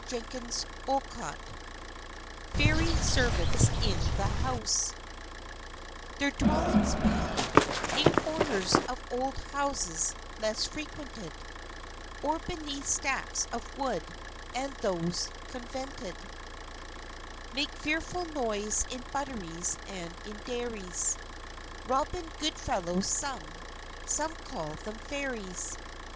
William Allingham FAIRY SERVANTS IN THE HOUSE _Their dwellings be In corners of old houses least frequented Or beneath stacks of wood; and these convented Make fearful noise in butteries and in dairies; Robin Goodfellows some, some call them Fairies.